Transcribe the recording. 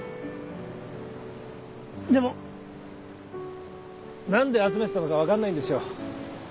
でも何で集めてたのか分かんないんですよ。